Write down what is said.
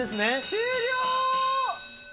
終了。